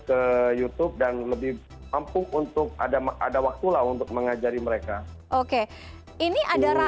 ke youtube dan lebih ampun untuk adama ada waktulah untuk mengajari mereka oke jadi kampungnya adalah